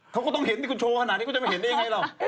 เขาก็ต้องเห็นที่คุณโชว์ขนาดนี้คุณจะไม่เห็นได้ยังไงหรอก